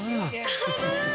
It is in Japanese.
軽い！